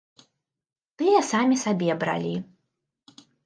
Тыя самі сабе бралі.